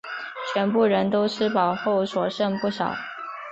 全部人都吃饱后还剩不少